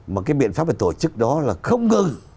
mà cái biện pháp về tổ chức đó là không ngừng